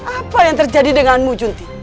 apa yang terjadi denganmu junti